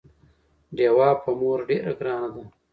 ډيوه په مور ډېره ګرانه ده